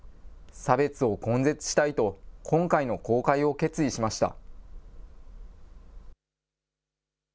差別を根絶したいと今回の公開を決意しました。